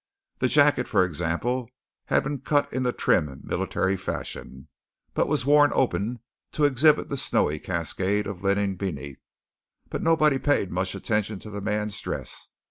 The jacket for example, had been cut in the trim military fashion, but was worn open to exhibit the snowy cascade of the linen beneath. But nobody paid much attention to the man's dress.